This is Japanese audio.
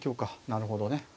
なるほどね。